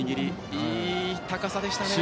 いい高さでしたね。